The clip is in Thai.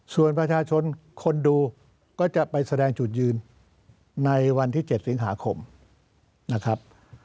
ส่วนประชาชนคนดูก็จะไปแสดงจุดยืนในวันที่๗สิงหาคมนะครับ